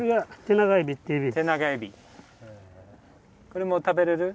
これも食べれる？